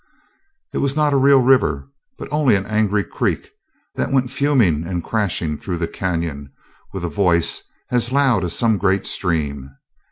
It was not a real river, but only an angry creek that went fuming and crashing through the canyon with a voice as loud as some great stream.